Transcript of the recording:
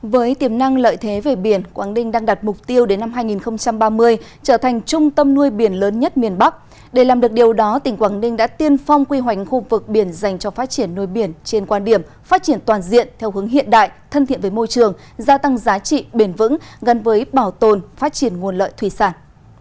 với tiềm năng lợi thế về biển quảng ninh đang đặt mục tiêu đến năm hai nghìn ba mươi trở thành trung tâm nuôi biển lớn nhất miền bắc để làm được điều đó tỉnh quảng ninh đã tiên phong quy hoành khu vực biển dành cho phát triển nuôi biển trên quan điểm phát triển toàn diện theo hướng hiện đại thân thiện với môi trường gia tăng giá trị bền vững gần với bảo tồn phát triển nguồn lợi thủy sản